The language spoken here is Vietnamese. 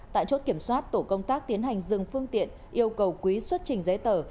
tại chốt kiểm soát tổ công tác tiến hành dừng phương tiện yêu cầu quý xuất trình giấy tờ